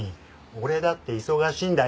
俺だって忙しいんだよ！